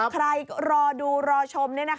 ใครรอดูรอชม